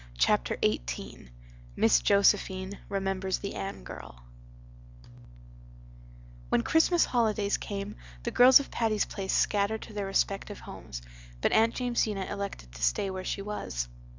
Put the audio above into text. Chapter XVIII Miss Josephine Remembers the Anne girl When Christmas holidays came the girls of Patty's Place scattered to their respective homes, but Aunt Jamesina elected to stay where she was.